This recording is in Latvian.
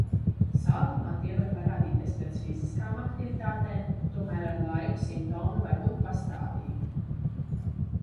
Sākumā tie var parādīties pēc fiziskām aktivitātēm, tomēr ar laiku simptomi var būt pastāvīgi.